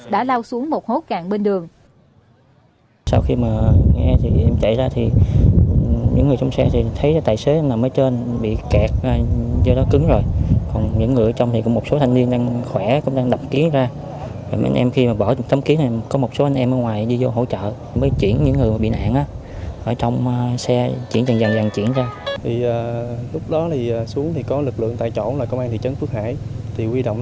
đã lao xuống một hố cạn bên đường